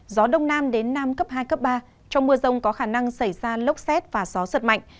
gió đông nam đến nam cấp hai cấp ba trong mưa rông có khả năng xảy ra lốc xét và gió giật mạnh